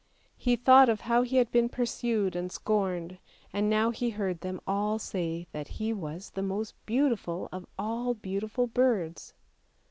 He thought of how he had been pursued and scorned, and now he heard them all say that he was the most beautiful of all beautiful birds.